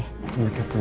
deketan jumlah kabu ya